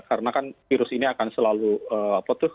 karena kan virus ini akan selalu potus